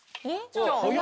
早い！